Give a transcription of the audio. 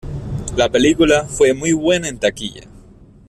La película fue muy buena en la taquilla.